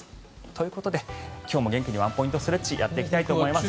ということで、今日も元気にワンポイントストレッチをやっていきたいと思います。